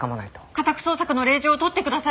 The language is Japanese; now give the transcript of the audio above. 家宅捜索の令状を取ってください！